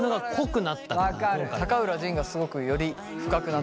高浦仁がすごくより深くなったよね。